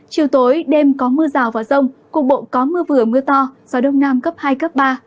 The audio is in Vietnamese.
chiều tối đêm có mưa rào và rông cục bộ có mưa vừa mưa to gió đông nam cấp hai cấp ba